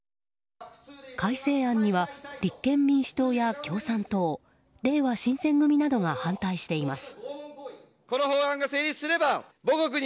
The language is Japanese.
改正案には、立憲民主党や共産党れいわ新選組などが反対しています。